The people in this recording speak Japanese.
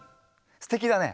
すてきだね。